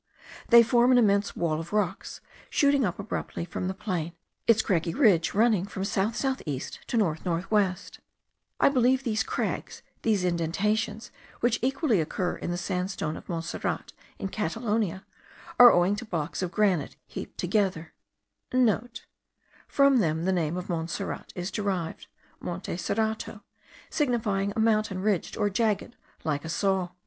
They form an immense wall of rocks, shooting up abruptly from the plain, its craggy ridge of running from south south east to north north west. I believe these crags, these indentations, which equally occur in the sandstone of Montserrat in Catalonia,* (* From them the name of Montserrat is derived, Monte Serrato signifying a mountain ridged or jagged like a saw.)